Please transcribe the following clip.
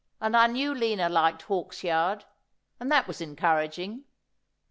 And I knew Lina liked Hawksyard ; and that was encouraging.